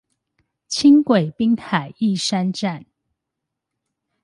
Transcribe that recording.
輕軌濱海義山站